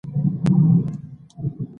افغانستان کې ژمی د خلکو د خوښې وړ ځای دی.